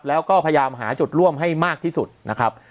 แล้วก็พยายามหาจุดร่วมให้มากที่สุดนะครับ